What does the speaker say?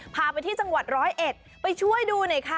พาไปที่จังหวัดร้อยเอ็ดไปช่วยดูหน่อยค่ะ